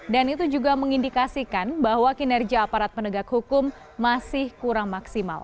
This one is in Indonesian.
dan itu juga mengindikasikan bahwa kinerja aparat penegak hukum masih kurang maksimal